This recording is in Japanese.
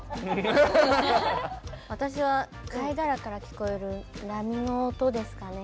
私は貝殻から聞こえる波の音ですかね。